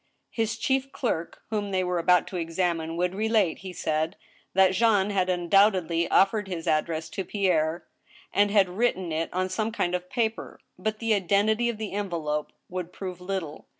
His chief clerk, whom they were about to examine, would relate, he said, that Jean had undoubtedly offered his address to Pierre, and had written it on some kind of paper. But the identity of the envelope would prove little.